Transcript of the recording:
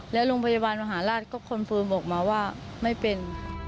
แล้วโรงพยาบาลมหาราชก็คอนเฟิร์มบอกมาว่าไม่เป็น